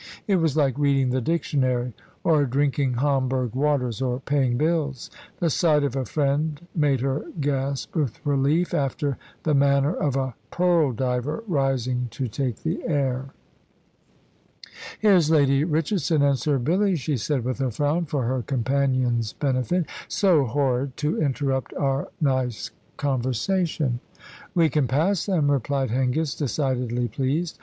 It was like reading the dictionary, or drinking Homburg waters, or paying bills. The sight of a friend made her gasp with relief, after the manner of a pearl diver rising to take the air. "Here's Lady Richardson and Sir Billy," she said with a frown, for her companion's benefit. "So horrid, to interrupt our nice conversation!" "We can pass them," replied Hengist, decidedly pleased.